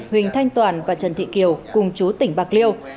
huỳnh thanh toàn và trần thị kiều cùng chú tỉnh bạc liêu